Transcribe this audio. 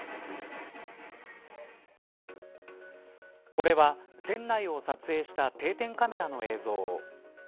これは店内を撮影した定点カメラの映像。